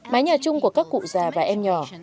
mái nhà chung của các cụ già và em nhỏ